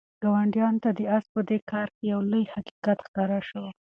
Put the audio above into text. ګاونډیانو ته د آس په دې کار کې یو لوی حقیقت ښکاره شو.